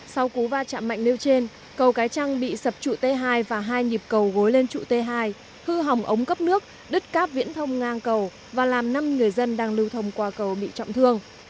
sau cú va chạm mạnh nêu trên cầu cái trăng bị sập trụ t hai và hai nhịp cầu gối lên trụ t hai hư hỏng ống cấp nước đứt cáp viễn thông ngang cầu và làm năm người dân đang lưu thông qua cầu bị trọng thương